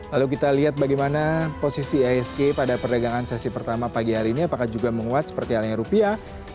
lalu kita lihat bagaimana posisi isg pada perdagangan sesi pertama pagi hari ini apakah juga menguat seperti halnya rupiah